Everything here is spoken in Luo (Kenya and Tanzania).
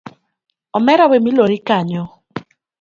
Omera we milori kanyo.